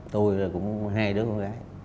tôi cũng hai đứa con gái